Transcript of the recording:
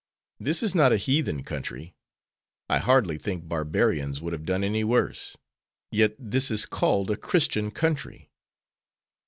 This is not a heathen country. I hardly think barbarians would have done any worse; yet this is called a Christian country."